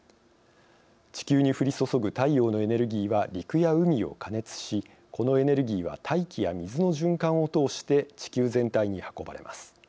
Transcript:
地球に降り注ぐ太陽のエネルギーは陸や海を加熱しこのエネルギーは大気や水の循環を通して地球全体に運ばれます。